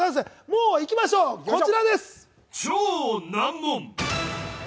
もういきましょう、こちらです！